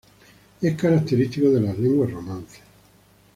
Es característico de las lenguas romances.